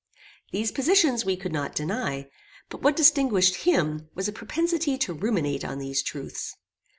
These positions we could not deny, but what distinguished him was a propensity to ruminate on these truths.